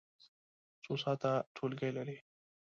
څو ساعته ټولګی لرئ؟